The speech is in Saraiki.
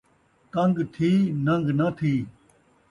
تنگ تھی، ننگ ناں تھی